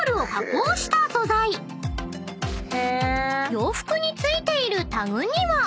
［洋服に付いているタグには］